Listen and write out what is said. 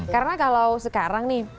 karena kalau sekarang nih